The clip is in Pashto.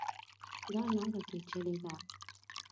دا لاره پېچلې ده.